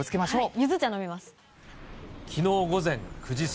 ゆず茶飲みます。